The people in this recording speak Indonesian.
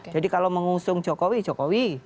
jadi kalau mengusung jokowi jokowi